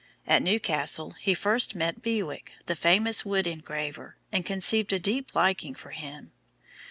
At Newcastle he first met Bewick, the famous wood engraver, and conceived a deep liking for him.